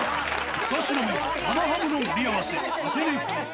２品目は、生ハムの盛り合わせアテネ風。